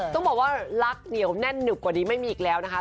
ต้องบอกว่ารักเหนียวแน่นหนึบกว่านี้ไม่มีอีกแล้วนะคะ